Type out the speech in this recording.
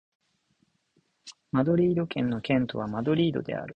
マドリード県の県都はマドリードである